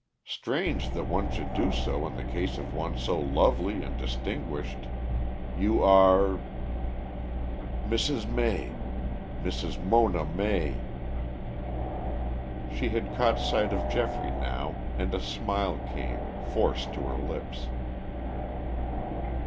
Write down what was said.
Strange that one should do so in the case of one so lovely and distinguished. You are " "Mrs. May. Mrs. Mona May." She had caught sight of Geoffrey now and a smile came, forced to her lips.